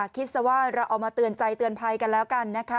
คิดซะว่าเราเอามาเตือนใจเตือนภัยกันแล้วกันนะคะ